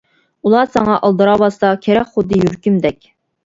ئۇلار ساڭا ئالدىراۋاتسا كېرەك خۇددى يۈرىكىمدەك.